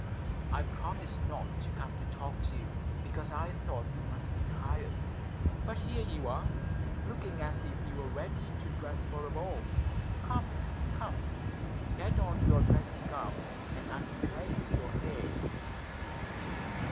"I promised not to come and talk to you, because I thought you must be tired. But here you are, looking as if you were ready to dress for a ball. Come, come, get on your dressing gown and unplait your hair."